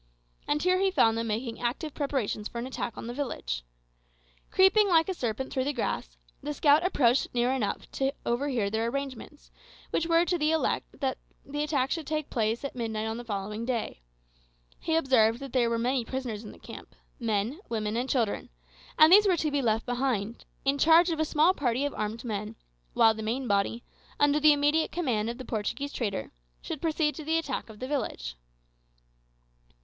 And here he found them making active preparations for an attack on the village. Creeping like a serpent through the grass, the scout approached near enough to overhear their arrangements, which were to the elect that the attack should take place at midnight of the following day. He observed that there were many prisoners in the camp men, women, and children and these were to be left behind, in charge of a small party of armed men; while the main body, under the immediate command of the Portuguese trader, should proceed to the attack of the village.